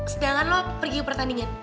sedangkan lo pergi ke pertandingan